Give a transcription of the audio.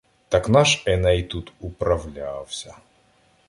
Так наш Еней тут управлявся